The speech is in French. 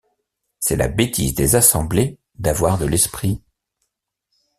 C’est la bêtise des assemblées d’avoir de l’esprit.